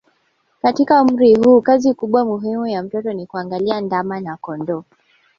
Katika umri huu kazi kubwa muhimu ya mtoto ni kuangalia ndama na kondoo